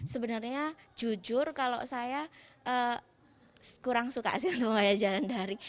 sebenarnya jujur kalau saya kurang suka sih untuk pembelajaran daring